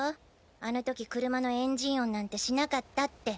あの時車のエンジン音なんてしなかったって！